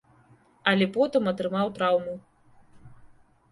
Але потым атрымаў траўму.